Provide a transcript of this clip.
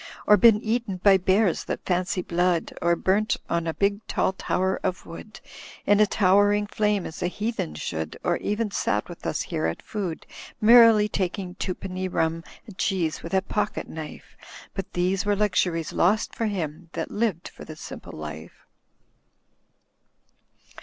Or been eaten by bears that fancy blood. Or burnt on a big tall tower of wood. In a towering flame as a heathen should. Or even sat with us here at food. Merrily taking twopenny rum and cheese with a pocket knife. But these were luxuries lost for him that lived for the Simple Life."